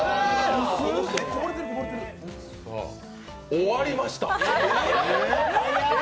終わりました！